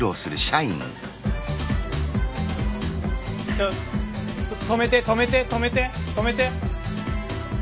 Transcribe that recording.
ちょ止めて止めて止めて止めて。